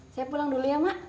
saya pulang dulu ya mak